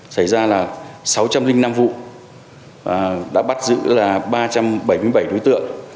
xảy ra là sáu trăm linh năm vụ đã bắt giữ là ba trăm bảy mươi bảy đối tượng